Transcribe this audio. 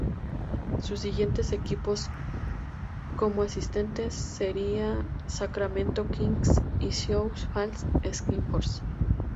Sus siguientes equipos como asistente serían Sacramento Kings y los Sioux Falls Skyforce.